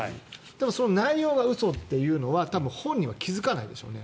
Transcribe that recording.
でも、その内容が嘘というのは多分、本人は気付かないでしょうね。